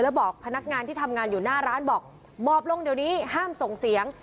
แล้วบอกพนักงานที่ทำงานอยู่หน้าร้านบอกหมอบลงเดี๋ยวนี้ห้ามส่งเสียง